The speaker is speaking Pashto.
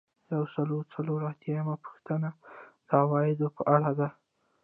یو سل او څلور اتیایمه پوښتنه د عوایدو په اړه ده.